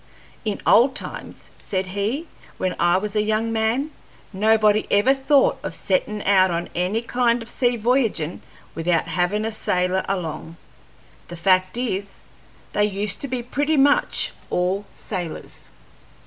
"In old times," said he, "when I was a young man, nobody ever thought of settin' out on any kind of sea voyagin' without havin' a sailor along. The fact is, they used to be pretty much all sailors."